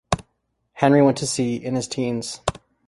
Henry went to sea in his teens.